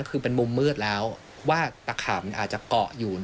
คือเป็นมุมมืดแล้วว่าตะขาบมันอาจจะเกาะอยู่